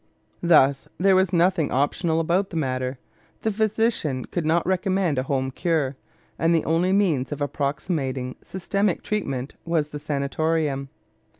Thus there was nothing optional about the matter; the physician could not recommend a home cure, and the only means of approximating systematic treatment was the sanatorium.